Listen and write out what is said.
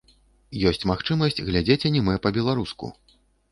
Ёсць магчымасць глядзець анімэ па-беларуску.